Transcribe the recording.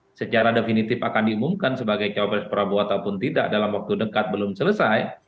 apakah secara definitif akan diumumkan sebagai cawapres prabowo ataupun tidak dalam waktu dekat belum selesai